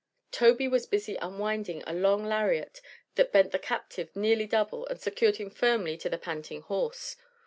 Tobey was busy unwinding a long lariat that bent the captive nearly double and secured him firmly to the panting horse.